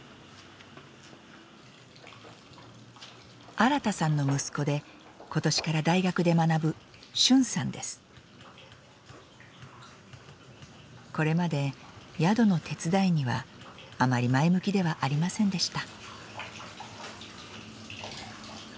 新さんの息子で今年から大学で学ぶこれまで宿の手伝いにはあまり前向きではありませんでした。